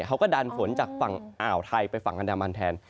เขาก็ดันฝนจากฝั่งอ่าวไทยไปฝั่งอันดามันแทน